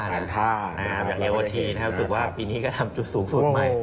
อย่างเรียกว่าทีน่าจะรู้สึกว่าปีนี้ก็ทำจุดสูงสุดใหม่